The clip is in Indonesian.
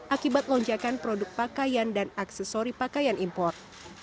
akibat lonjakan produk pakaian dan aksesori pakaian import